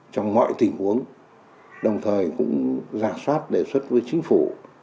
trong mọi tình huống đồng thời cũng giả soát đề xuất với chính phủ